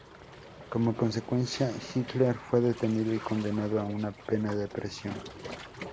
Como consecuencia, Hitler fue detenido y condenado a una pena de prisión.